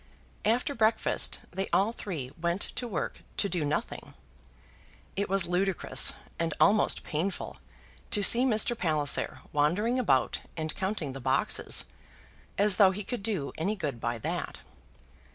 After breakfast they all three went to work to do nothing. It was ludicrous and almost painful to see Mr. Palliser wandering about and counting the boxes, as though he could do any good by that.